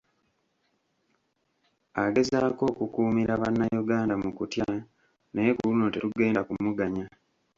Agezaako okukuumira bannayuganda mu kutya naye ku luno tetugenda kumuganya.